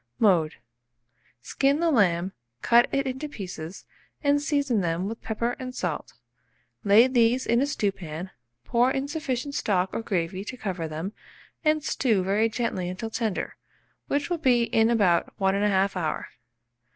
Mode. Skin the lamb, cut it into pieces, and season them with pepper and salt; lay these in a stewpan, pour in sufficient stock or gravy to cover them, and stew very gently until tender, which will be in about 1 1/2 hour.